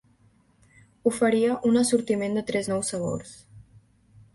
Oferia un assortiment de tres nous sabors.